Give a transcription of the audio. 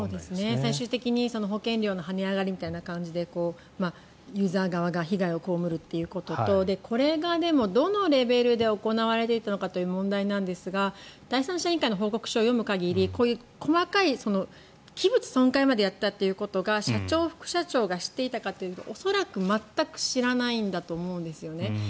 最終的に保険金の跳ね上がりみたいな感じでユーザー側が被害を被るということとこれがでも、どのレベルで行われていたという問題ですが第三者委員会の報告書を読む限り細かい、器物損壊までやっていたということが社長、副社長が知っていたかというと恐らく全く知らないんだと思うんですよね。